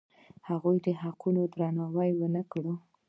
هغوی د حقونو درناوی ونه کړ.